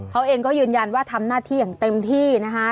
เขาเองก็ยืนยันว่าทำหน้าที่อย่างเต็มที่นะคะ